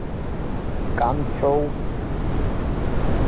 Кан бҳәоу?!